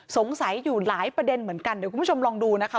สงสัยอยู่หลายประเด็นเหมือนกันเดี๋ยวคุณผู้ชมลองดูนะคะ